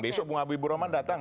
besok bung wabi ibu rohman datang